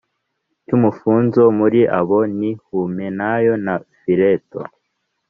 cy umufunzo Muri abo ni Humenayo na Fileto